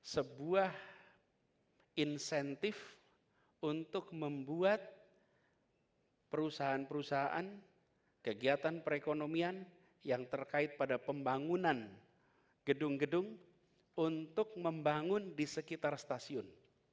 sebuah insentif untuk membuat perusahaan perusahaan kegiatan perekonomian yang terkait pada pembangunan gedung gedung untuk membangun di sekitar stasiun